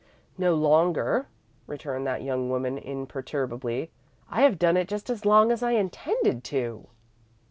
"No longer," returned that young woman, imperturbably. "I have done it just as long as I intend to."